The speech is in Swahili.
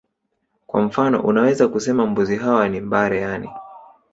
Kwa mfano unaweza kusema mbuzi hawa ni mbare ani